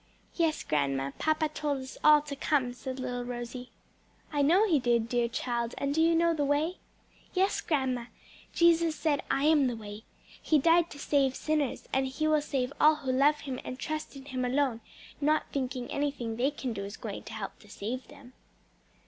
"Yes, grandma, papa told us all to come," said little Rosie. "I know he did, dear child; and do you know the way?" "Yes, grandma, Jesus said, 'I am the way.' He died to save sinners, and He will save all who love Him and trust in Him alone, not thinking anything they can do is going to help to save them."